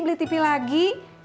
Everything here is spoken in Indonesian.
beli tv lagi